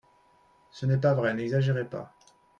Ce n’est pas vrai, n’exagérez pas